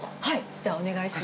じゃあ、お願いします。